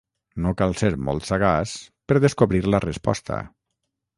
No cal ser molt sagaç per descobrir la resposta.